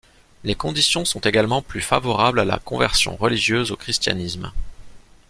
Les conditions sont également plus favorables à la conversion religieuse au christianisme.